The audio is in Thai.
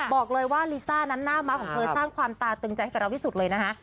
บอกเลยว่าลิซ่านั้นหน้าม้าของเธอสร้างความตาตึงใจให้กับเราที่สุดเลยนะคะ